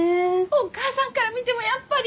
お母さんから見てもやっぱり？